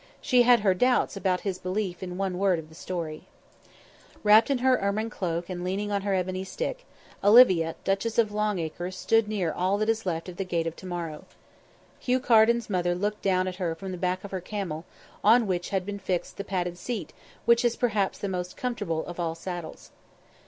She had her doubts about his belief in one word of the story. Wrapped in her ermine cloak and leaning on her ebony stick, Olivia Duchess of Longacres stood near all that is left of the Gate of To morrow. Hugh Carden's mother looked down at her from the back of her camel, on which had been fixed the padded seat which is perhaps the most comfortable of all saddles.